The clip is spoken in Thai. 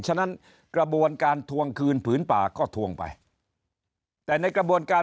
ฉะนั้นกระบวนการทวงคืนผืนป่าก็ทวงไปแต่ในกระบวนการ